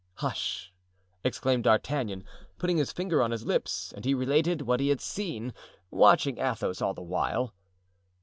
"Hush!" exclaimed D'Artagnan, putting his finger on his lips; and he related what he had seen, watching Athos all the while.